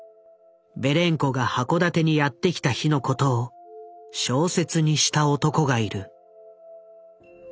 ベレンコが函館にやって来た日のことを小説にした男がいる。